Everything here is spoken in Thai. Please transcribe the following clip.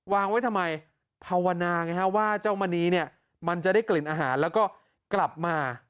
วางไว้ทำไมภาวนาไงฮะว่าเจ้ามณีเนี่ยมันจะได้กลิ่นอาหารแล้วก็กลับมา